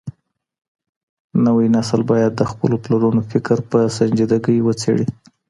نوی نسل بايد د خپلو پلرونو فکر په سنجيدګۍ وڅېړي.